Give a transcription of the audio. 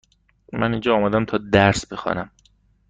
من اینجا آمدم تا درس بخوانم.